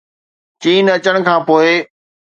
چين اچڻ کان پوءِ